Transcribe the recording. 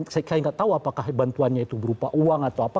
saya nggak tahu apakah bantuannya itu berupa uang atau apa